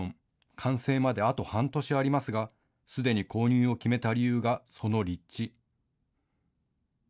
完成まであと半年ありますがすでに購入を決めた理由がその立地。